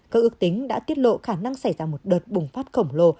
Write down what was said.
các ước tính đã tiết lộ khả năng xảy ra một đợt bùng phát khổng lồ